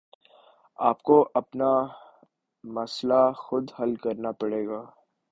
آپ کو اپنا مسئلہ خود حل کرنا پڑے گا